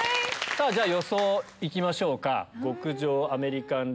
じゃ予想行きましょうか。